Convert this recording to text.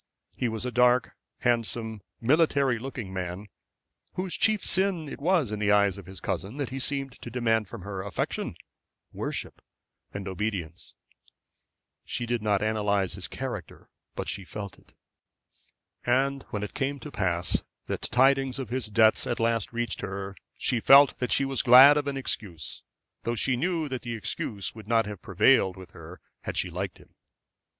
He was a dark, handsome, military looking man, whose chief sin it was in the eyes of his cousin that he seemed to demand from her affection, worship, and obedience. She did not analyse his character, but she felt it. And when it came to pass that tidings of his debts at last reached her, she felt that she was glad of an excuse, though she knew that the excuse would not have prevailed with her had she liked him.